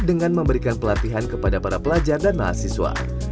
dengan memberikan pelatihan kepada para pelajar dan mahasiswa